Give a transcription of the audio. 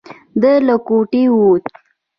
ده له کوټې ووت.